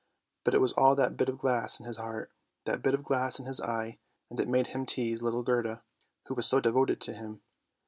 But it was all that bit of glass in his heart, that bit of glass in his eye, and it made him teaze little Gerda who was so devoted to him.